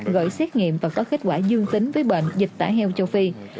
gửi xét nghiệm và có kết quả dương tính với bệnh dịch tả heo châu phi